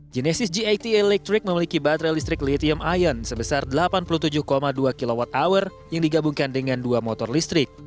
genesis g delapan puluh electric memiliki baterai listrik lithium ion sebesar delapan puluh tujuh dua kwh yang digabungkan dengan dua motor listrik